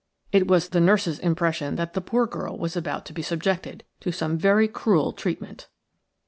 It was the nurse's impression that the poor girl was about to be subjected to some very cruel treatment.